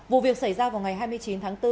vụ việc xảy ra vào ngày hai mươi chín tháng bốn